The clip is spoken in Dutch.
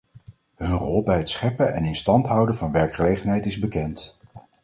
Hun rol bij het scheppen en in stand houden van werkgelegenheid is bekend.